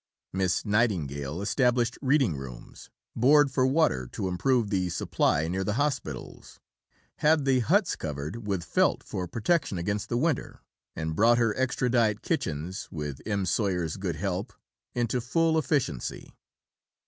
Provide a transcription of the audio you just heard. " Miss Nightingale established reading rooms, bored for water to improve the supply near the hospitals, had the huts covered with felt for protection against the winter, and brought her extra diet kitchens, with M. Soyer's good help, into full efficiency.